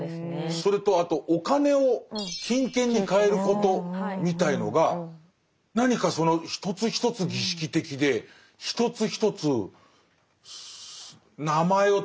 それとお金を金券に換えることみたいのが何かその一つ一つ儀式的で一つ一つ名前を取り上げられるというか。